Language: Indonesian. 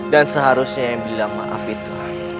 dan seharusnya yang bilang maaf itu